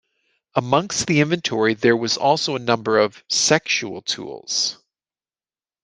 Amongst the inventory there was also a number of sexual tools.